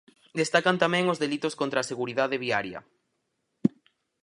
Destacan tamén os delitos contra a seguridade viaria.